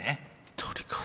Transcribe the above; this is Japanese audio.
鳥か。